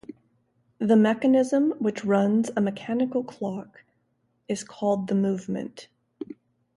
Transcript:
The mechanism which runs a mechanical clock is called the movement.